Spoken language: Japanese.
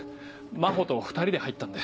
真帆と２人で入ったんで。